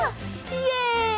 イエイ！